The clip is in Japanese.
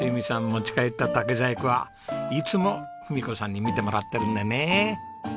持ち帰った竹細工はいつも文子さんに見てもらってるんだねえ。